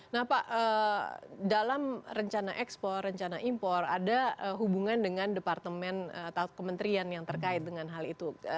nah pak dalam rencana ekspor rencana impor ada hubungan dengan departemen atau kementerian yang terkait dengan hal itu